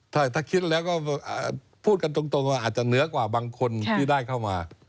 ถ้าคิดแล้วก็พูดกันตรงว่าอาจจะเหนือกว่าบางคนที่ได้เข้ามา